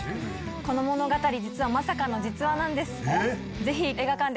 この物語、実はまさかの実話なんです。